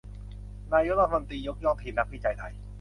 นายกรัฐมนตรียกย่องทีมนักวิจัยไทย